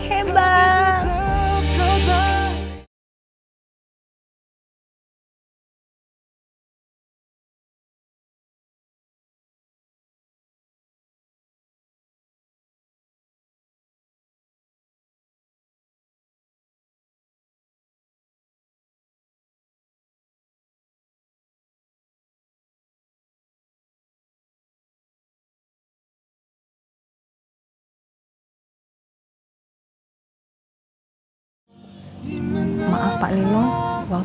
lion berhasil suapinin aku